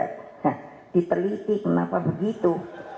nah diterliti kenapa begitu